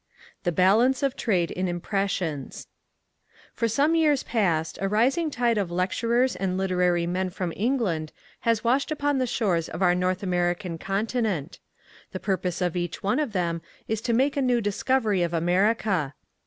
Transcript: The Balance of Trade in Impressions FOR some years past a rising tide of lecturers and literary men from England has washed upon the shores of our North American continent. The purpose of each one of them is to make a new discovery of America.